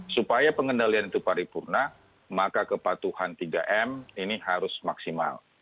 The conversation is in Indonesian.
supaya pengendalian itu paripurna maka kepatuhan tiga m ini harus maksimal